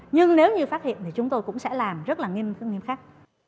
nhưng nếu như phát hiện thì chúng tôi cũng sẽ làm rất là nghiêm khắc